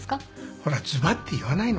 ほらズバッて言わないの。